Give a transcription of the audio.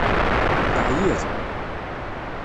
Teɛyiḍ.